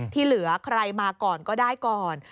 ที่เหลือใครมาก่อนก็ได้ก่อน